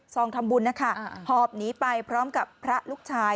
ทำบุญนะคะหอบหนีไปพร้อมกับพระลูกชาย